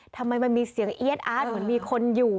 ทำไมมันมีเสียงเอี๊ยดอาร์ตเหมือนมีคนอยู่